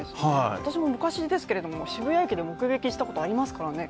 私も昔、渋谷駅で目撃したことありますからね。